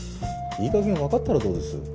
いい加減わかったらどうです？